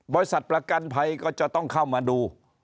ประกันภัยก็จะต้องเข้ามาดู